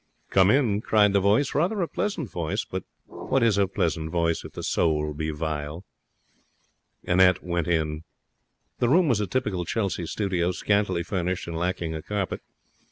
'Come in!' cried the voice, rather a pleasant voice; but what is a pleasant voice if the soul be vile? Annette went in. The room was a typical Chelsea studio, scantily furnished and lacking a carpet.